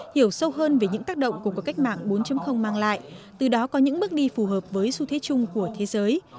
hiểu sâu hơn về những tác động của cuộc cách mạng bốn mang lại từ đó có những bước đi phù hợp với xu thế chung của thế giới